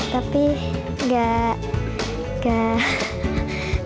tapi gak gak